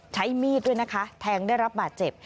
ใช้มีดด้วยนะคะแทงได้รับบาดเจ็บ